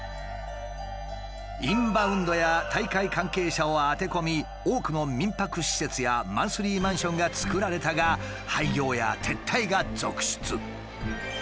インバウンドや大会関係者を当て込み多くの民泊施設やマンスリーマンションが造られたが廃業や撤退が続出。